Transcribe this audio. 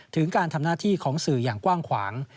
ถึงการทำหน้าที่ของสื่ออย่างกว้างขวาง